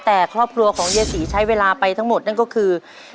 แต่ครอบครัวของเยศรีใช้เวลาไปทั้งหมดนั่นก็คือ